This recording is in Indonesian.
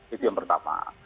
itu yang pertama